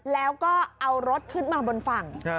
แล้วก็เอารถขึ้นมาบนฝั่ง